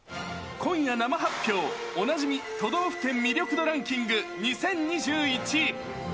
今夜生発表、おなじみ都道府県魅力度ランキング２０２１。